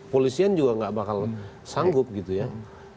polisian juga gak bakal sangka itu bisa jadi hal yang mudah ya